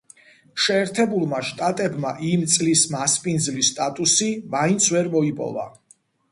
შეერთებულმა შტატებმა იმ წლის მასპინძლის სტატუსი მაინც ვერ მოიპოვა.